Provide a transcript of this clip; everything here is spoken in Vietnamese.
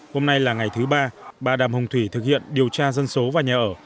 hôm nay là ngày thứ ba bà đàm hồng thủy thực hiện điều tra dân số và nhà ở